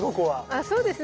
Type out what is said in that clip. あそうですね。